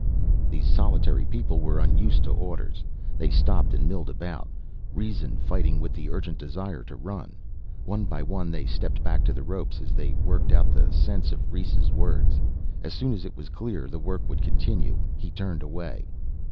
These solitary people were unused to orders. They stopped and milled about, reason fighting with the urgent desire to run. One by one they stepped back to the ropes as they worked out the sense of Rhes' words. As soon as it was clear the work would continue he turned away.